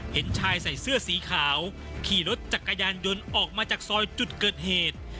เห็นชายใส่เสื้อสีขาวขี่รถจักรยานยนต์ออกมาจากซอยจุดเกิดเหตุ